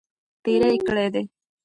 تیرې کړي دي.